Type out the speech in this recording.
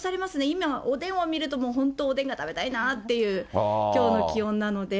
今、おでんを見ると、本当、おでんが食べたいなっていう、きょうの気温なので。